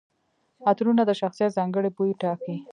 عطرونه د شخصیت ځانګړي بوی ټاکي.